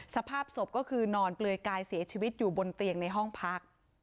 สภาพศพก็คือนอนเปลือยกายเสียชีวิตอยู่บนเตียงในห้องพัก